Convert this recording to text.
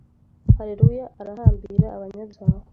Haleluya arahambira abanyabyaha